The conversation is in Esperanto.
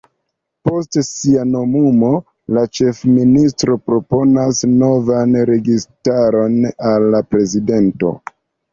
Post sia nomumo, la ĉefministro proponas novan registaron al la Prezidento.